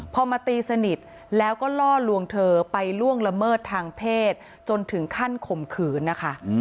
พอมาตีสนิทแล้วก็ล่อลวงเธอไปล่วงละเมิดทางเพศจนถึงขั้นข่มขืนนะคะ